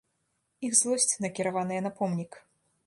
Іх злосць накіраваная на помнік.